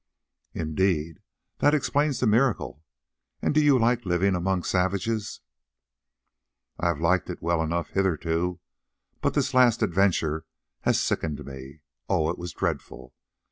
"Indeed, that explains the miracle. And do you like living among savages?" "I have liked it well enough hitherto, but this last adventure has sickened me. Oh! it was dreadful.